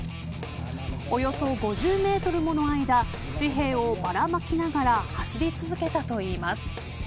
およそ５０メートルもの間紙幣をばらまきながら走り続けたといいます。